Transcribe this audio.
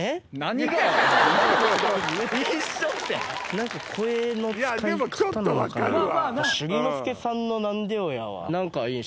何これ⁉でもちょっと分かるわ。